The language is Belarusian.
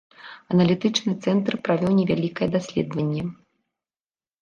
Аналітычны цэнтр правёў невялікае даследаванне.